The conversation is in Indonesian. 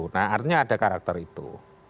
nah artinya ada karakter itu